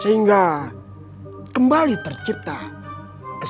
sehingga kembali tercipta dengan alamat dalai